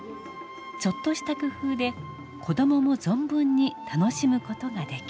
ちょっとした工夫で子供も存分に楽しむ事ができる。